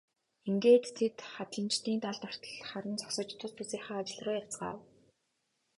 Ингээд тэд хадланчдыг далд ортол харан зогсож тус тусынхаа ажил руу явцгаав.